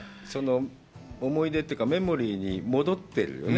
思い出というか、メモリーに戻ってるよね。